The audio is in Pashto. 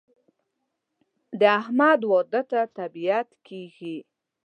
د احمد واده ته طبیعت کېږي.